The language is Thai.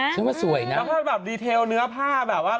แล้วแบบดีเทลเนื้อผ้าแบบว่า